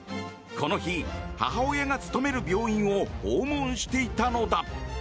この日、母親が勤める病院を訪問していたのだ。